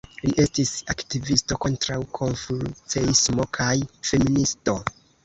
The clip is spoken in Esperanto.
Li estis aktivisto kontraŭ konfuceismo kaj feministo.